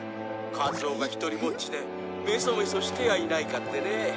「一夫がひとりぼっちでめそめそしてやいないかってね」